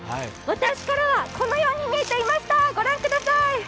私からはこのように見えていました御覧ください。